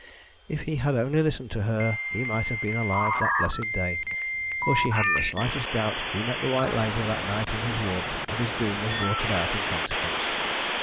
If he had only listened to her he might have been alive that blessed day, for she hadn't the slightest doubt he met the White Lady that night in his walk, and his doom was brought about in consequence.